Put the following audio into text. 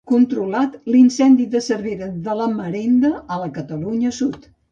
Controlat l'incendi de Cervera de la Marenda, a la Catalunya Sud.